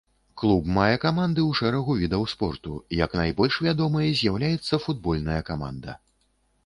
Клуб мае каманды ў шэрагу відаў спорту, як найбольш вядомай з'яўляецца футбольная каманда.